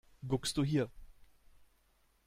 Guckst du hier!